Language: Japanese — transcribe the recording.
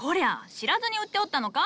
知らずに売っておったのか。